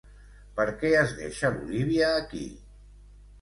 Per què es deixa l'Olivia aquí?